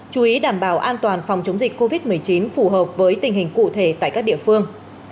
chú ý đảm bảo an toàn phòng chống dịch covid một mươi chín phù hợp với tình hình cụ thể tại các địa phương